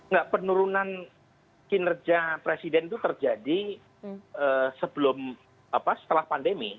nah penurunan kinerja presiden itu terjadi setelah pandemi